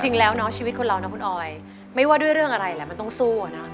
จริงแล้วเนาะชีวิตคนเรานะคุณออยไม่ว่าด้วยเรื่องอะไรแหละมันต้องสู้อะเนาะ